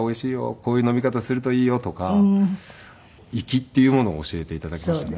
「こういう飲み方するといいよ」とか粋っていうものを教えて頂きましたね。